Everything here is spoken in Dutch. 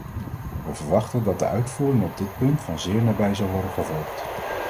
We verwachten dat de uitvoering op dit punt van zeer nabij zal worden gevolgd.